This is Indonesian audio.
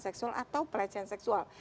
seksual atau pelecehan seksual